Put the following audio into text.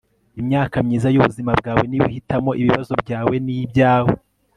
imyaka myiza y'ubuzima bwawe niyo uhitamo ibibazo byawe ni ibyawe